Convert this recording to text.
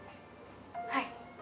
はい。